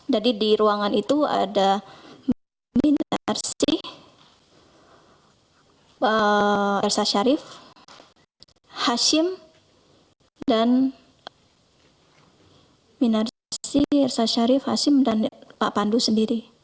jadi di ruangan itu ada minarsi elsa sarif hashim dan pak pandu sendiri